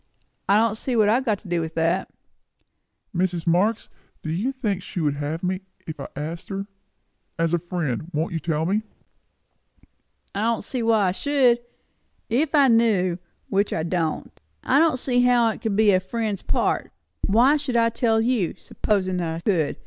I don't see what I have got to do with that." "Mrs. Marx, do you think she would have me if I asked her? As a friend, won't you tell me?" "I don't see why I should, if I knew, which I don't. I don't see how it would be a friend's part. Why should I tell you, supposin' I could?